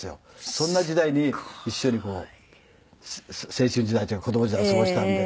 そんな時代に一緒にこう青春時代というか子供時代を過ごしたんで。